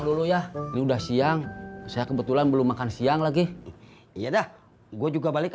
g bloomberg ni udah siang saya kebetulan belum makan siang lagi iya dah go juga baliko